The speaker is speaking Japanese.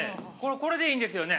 これでいいんですよね。